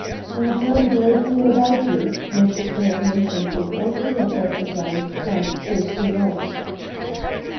"I have heard a great deal about you; my sister has mentioned you in all her letters and I am quite au courant."